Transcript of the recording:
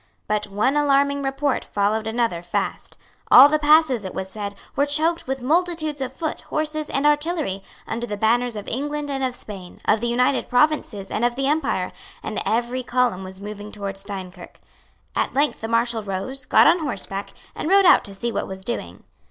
But one alarming report followed another fast. All the passes, it was said, were choked with multitudes of foot, horse and artillery, under the banners of England and of Spain, of the United Provinces and of the Empire; and every column was moving towards Steinkirk. At length the Marshal rose, got on horseback, and rode out to see what was doing.